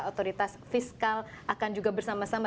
otoritas fiskal akan juga bersama sama